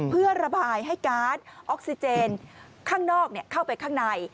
เพื่อระบายให้การ์ดออกซิเจนข้างนอกเข้าไปข้างใน